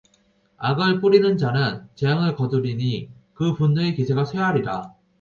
악을 뿌리는 자는 재앙을 거두리니 그 분노의 기세가 쇠하리라